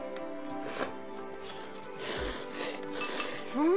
うん！